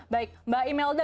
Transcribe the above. baik mbak imelda